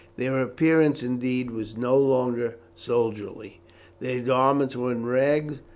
Their appearance, indeed, was no longer soldierly. Their garments were in rags.